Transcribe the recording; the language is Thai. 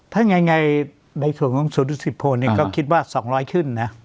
ถ้าง่ายง่ายในส่วนของสูตรสิทธิ์โพลนี่ก็คิดว่าสองร้อยขึ้นนะ